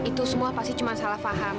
itu semua pasti cuma salah faham